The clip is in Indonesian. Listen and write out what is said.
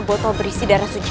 botol berisi darah suci